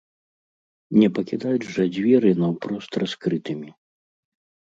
Не пакідаць жа дзверы наўпрост раскрытымі!